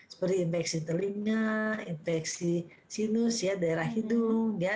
seperti infeksi telinga infeksi sinus ya daerah hidung ya